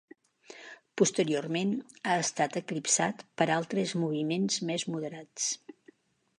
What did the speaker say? Posteriorment ha estat eclipsat per altres moviments més moderats.